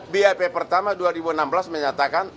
bap pertama dua ribu enam belas menyatakan